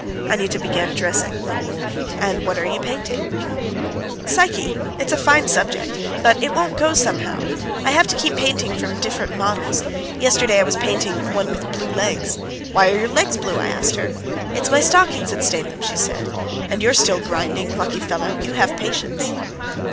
Anyuta began dressing. "And what are you painting?" asked Klotchkov. "Psyche; it's a fine subject. But it won't go, somehow. I have to keep painting from different models. Yesterday I was painting one with blue legs. 'Why are your legs blue?' I asked her. 'It's my stockings stain them,' she said. And you're still grinding! Lucky fellow! You have patience."